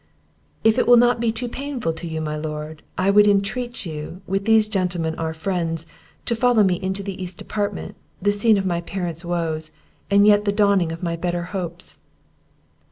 "If it will not be too painful to you, my lord, I would intreat you, with these gentlemen our friends, to follow me into the east apartment, the scene of my parents' woes, and yet the dawning of my better hopes."